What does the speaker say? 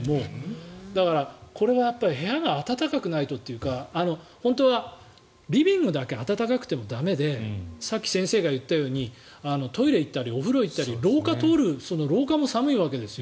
だから、これは部屋が暖かくないとというか本当はリビングだけ暖かくても駄目でさっき先生が言ったようにトイレ行ったり、お風呂行ったり廊下を通るその廊下も寒いわけですよ。